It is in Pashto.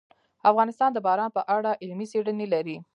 افغانستان د باران په اړه علمي څېړنې لري.